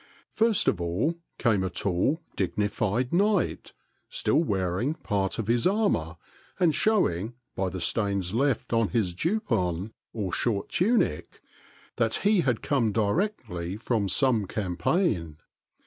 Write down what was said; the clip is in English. First of all came a tall, dignified knight, still wearing part of his armor and showing by the stains left on his JupoNy or short tunic, that he had come directly from some cam paign.